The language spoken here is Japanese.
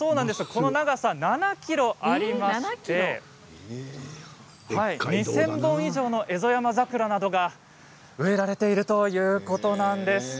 この長さ７ｋｍありまして１０００本以上のエゾヤマザクラなどが植えられているということなんです。